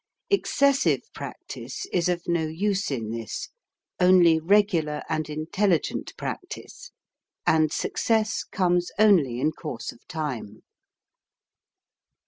Excessive practice is of no use in this only regular and intelli gent practice; and success comes only in course of time.